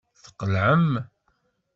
Tqelɛem.